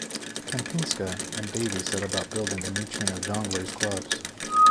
Kempinska and Davy set about building a new chain of Jongleurs clubs.